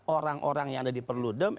orang orang yang ada di perludem